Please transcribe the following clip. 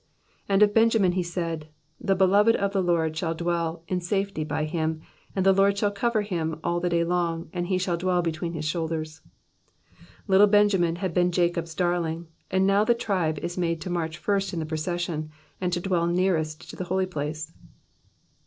And of Benjamin he said. The beloved of the Lord shall dwell in safety by him ; and the Lord shall cover him all the day long, and he shall dwell between his shoulders." Little Benjamin had been Jacob's darling, and now the tribe is mode to march flrst in the procession, and to dwell nearest to the holy place.